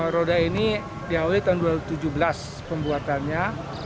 roda ini diawali tahun dua ribu tujuh belas pembuatannya